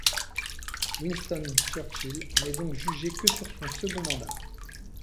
Winston Churchill n'est donc jugé que sur son second mandat.